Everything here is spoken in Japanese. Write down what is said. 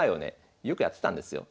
よくやってたんですよ。